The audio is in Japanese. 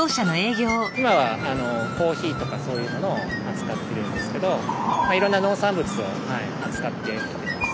今はコーヒーとかそういうものを扱ってるんですけどいろんな農産物を扱ってきてます。